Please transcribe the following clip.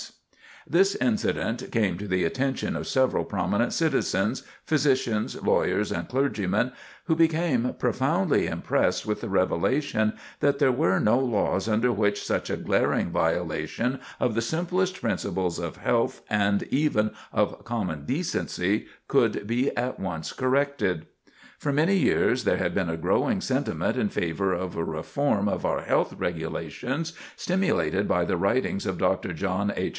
[Sidenote: Agitation for Reform] This incident came to the attention of several prominent citizens, physicians, lawyers, and clergymen, who became profoundly impressed with the revelation that there were no laws under which such a glaring violation of the simplest principles of health, and even of common decency, could be at once corrected. For many years there had been a growing sentiment in favor of a reform of our health regulations, stimulated by the writings of Dr. John H.